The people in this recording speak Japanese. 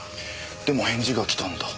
でも返事が来たんだ。